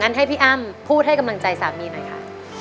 ให้พี่อ้ำพูดให้กำลังใจสามีหน่อยค่ะ